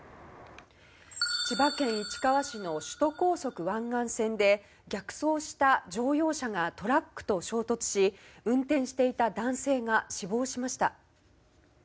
千葉県市川市の首都高速湾岸線で逆走した乗用車がトラックと衝突し運転していた男性が死亡しました。